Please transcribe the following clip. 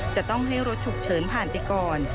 จะต้องให้รถฉุกเฉินผ่านไปก่อน